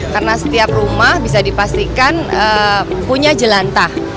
karena setiap rumah bisa dipastikan punya jelantah